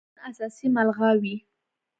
که قانون اساسي ملغا وي،